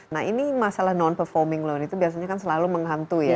nah ini masalah non performing loan itu biasanya kan selalu menghantui ya